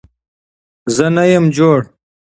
زه نه يم جوړ